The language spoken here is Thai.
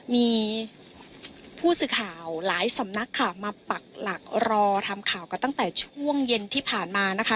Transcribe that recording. มีผู้สื่อข่าวหลายสำนักค่ะมาปักหลักรอทำข่าวกันตั้งแต่ช่วงเย็นที่ผ่านมานะคะ